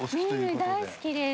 麺類大好きです。